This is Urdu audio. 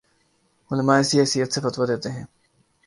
علما اسی حیثیت سے فتویٰ دیتے ہیں